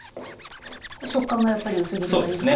食感がやっぱり薄切りがいいですか？